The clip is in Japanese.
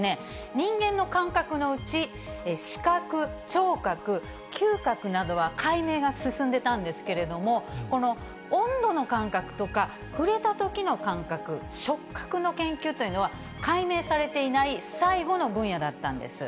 人間の感覚のうち、視覚、聴覚、嗅覚などは、解明が進んでたんですけれども、この温度の感覚とか、触れたときの感覚、触覚の研究というのは、解明されていない最後の分野だったんです。